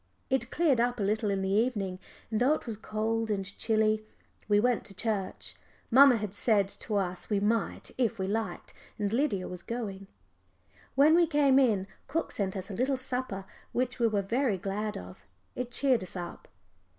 It cleared up a little in the evening, and though it was cold and chilly we went to church. Mamma had said to us we might if we liked, and Lydia was going. When we came in, cook sent us a little supper which we were very glad of; it cheered us up.